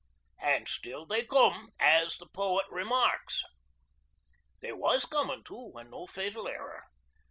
'An' still they come,' as the poet remarks." 'They was comin' too, an' no fatal error.